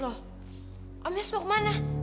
loh om yesus mau kemana